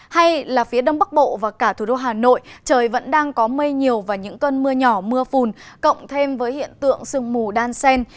hay là phía đông bắc bộ và cả thủ đô hà nội trời vẫn đang có mây nhiều và những cơn mưa nhỏ mưa phùn cộng thêm với hiện tượng sương mù đan sen